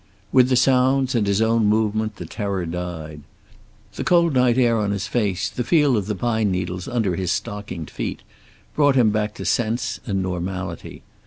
With the sounds, and his own movement, the terror died. The cold night air on his face, the feel of the pine needles under his stockinged feet, brought him back to sense and normality.